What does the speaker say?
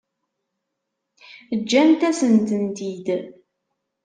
Ǧǧant-asen-tent-id.